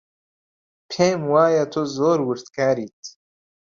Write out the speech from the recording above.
پێم وایە تۆ زۆر وردکاریت.